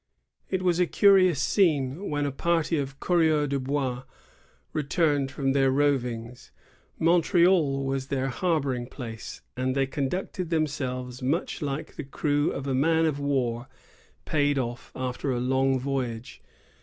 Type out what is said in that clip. It was a curious scene when a party of coureurs de hois returned from their rovings. Montreal was their harboring place, and they conducted themselves much like the crew of a man of war paid off after a long voyage.